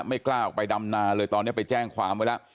ไม่กล้าออกไปดำนาเลยตอนนี้ไปแจ้งความไว้แล้ว